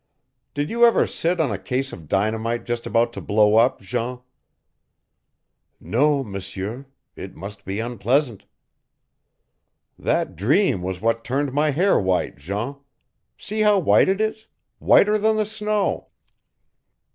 Did you ever sit on a case of dynamite just about to blow up, Jean?" "No, M'seur. It must be unpleasant." "That dream was what turned my hair white, Jean. See how white it is whiter than the snow!"